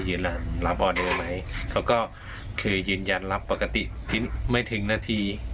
รับออเดอร์ไหมเขาก็คือยืนยันรับปกติไม่ถึงนาที